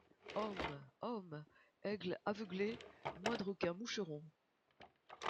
Homme! homme ! aigle aveuglé, moindre qu’un moucheron !